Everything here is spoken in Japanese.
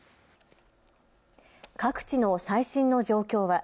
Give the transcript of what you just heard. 各地の最新の状況は。